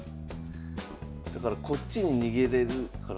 だからこっちに逃げれるから。